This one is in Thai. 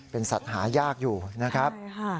เป็นสัตว์หายากอยู่นะครับ